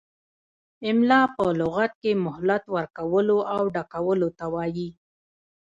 املاء په لغت کې مهلت ورکولو او ډکولو ته وايي.